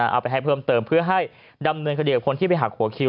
เอาไปให้เพิ่มเติมเพื่อให้ดำเนินคดีกับคนที่ไปหักหัวคิว